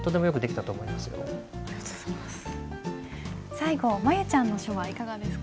最後舞悠ちゃんの書はいかがですか？